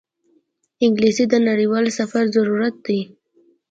انګلیسي د نړیوال سفر ضرورت دی